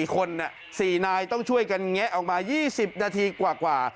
๔คน๔นายต้องช่วยกันแงะออกมา๒๐นาทีกว่า